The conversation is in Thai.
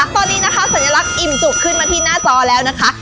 ตอนนี้นะคะสัญลักษณ์อิ่มจุกขึ้นมาที่หน้าจอแล้วนะคะ